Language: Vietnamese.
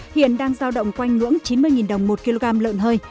hiện đang giao động quanh ngưỡng chín mươi đồng một kg lợn hơi